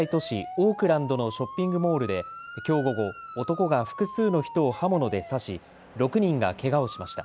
オークランドのショッピングモールできょう午後、男が複数の人を刃物で刺し６人がけがをしました。